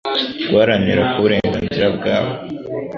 guharanira ko uburenganzira bwabo